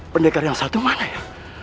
pendekar yang satu mana ya